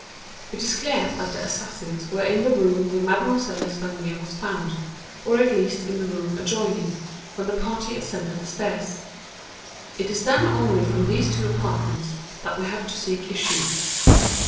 It is clear that the assassins were in the room where Mademoiselle L'Espanaye was found, or at least in the room adjoining, when the party ascended the stairs. It is then only from these two apartments that we have to seek issues.